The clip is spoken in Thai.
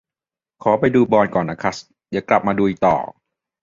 ขอไปดูบอลก่อนนะครัส เดี๋ยวกลับมาลุยต่อ